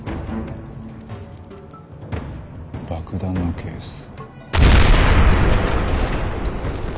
爆弾のケース。